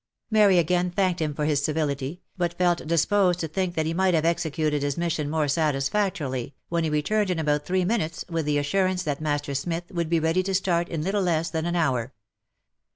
Mary again thanked him for his civility, but felt disposed to think that he might have executed his mission more satisfactorily, when he returned in about three minutes, with the assurance that Master Smith would be ready to start in little less than an hour.